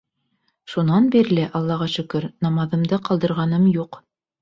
Шунан бирле, Аллаға шөкөр, намаҙымды ҡалдырғаным юҡ.